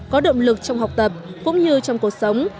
có động lực trong học tập cũng như trong cuộc sống